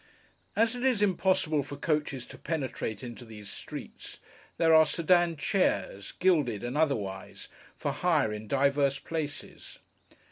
As it is impossible for coaches to penetrate into these streets, there are sedan chairs, gilded and otherwise, for hire in divers places.